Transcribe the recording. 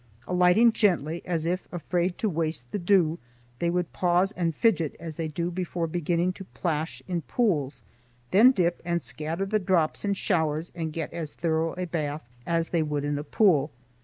Alighting gently, as if afraid to waste the dew, they would pause and fidget as they do before beginning to plash in pools, then dip and scatter the drops in showers and get as thorough a bath as they would in a pool.